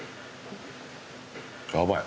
やばい。